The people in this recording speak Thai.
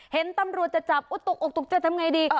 เห็นตำรวจจะจับอุ๊ยตกจะทำอย่างไรดี